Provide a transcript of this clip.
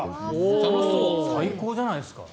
楽しそう最高じゃないですか。